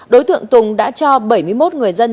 đối tượng tùng đã cho bảy mươi một người dân